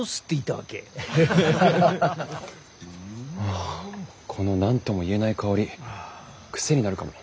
ああこの何とも言えない香り癖になるかも。